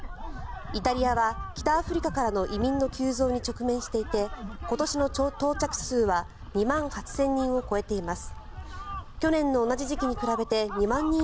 イタリアは北アフリカからの移民の急増に直面していて今年の到着者数は２万８０００人を超えています。